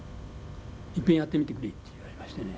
「一遍やってみてくれ」って言われましてね。